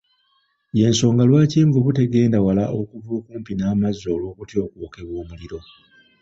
Y'ensonga Iwaki envubu tegenda wala okuva okumpi n'amazzi olw'okutya okwokebwa omuliro.